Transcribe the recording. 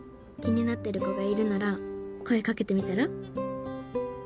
「気になってる子がいるなら声かけてみたら？」